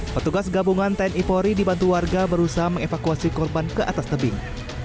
petugas gabungan tni polri dibantu warga berusaha mengevakuasi korban ke atas tebing